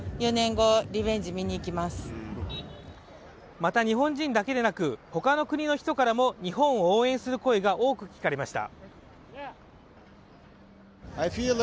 また、日本人だけでなく他の国の人からも日本を応援する声が多く聞かれました。